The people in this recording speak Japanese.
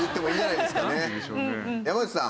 山内さん。